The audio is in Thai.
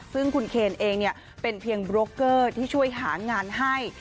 ซึ่งคุณเคนเองเป็นเพียงโบรกเกอร์ที่ช่วยหางานให้